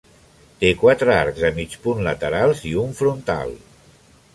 Té quatre arcs de mig punt laterals i un frontal.